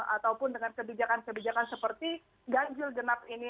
ataupun dengan kebijakan kebijakan seperti ganjil genap ini